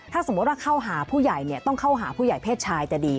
ถ้าสมมุติว่าเข้าหาผู้ใหญ่เนี่ยต้องเข้าหาผู้ใหญ่เพศชายจะดี